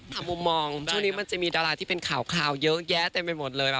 มุมมองช่วงนี้มันจะมีดาราที่เป็นข่าวเยอะแยะเต็มไปหมดเลย